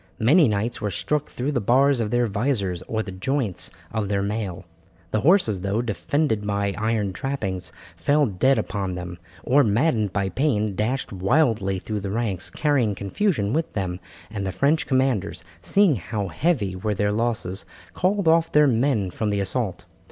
Many knights were struck through the bars of their vizors or the joints of their mail. The horses, though defended by iron trappings, fell dead under them, or, maddened by pain, dashed wildly through the ranks, carrying confusion with them, and the French commanders, seeing how heavy were their losses, called off their men from the assault.